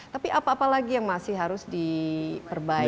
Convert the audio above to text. tapi apa apa lagi yang masih harus diperbaiki